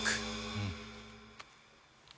うん！